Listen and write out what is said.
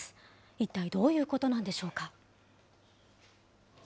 一体どういうことなんでしょうか。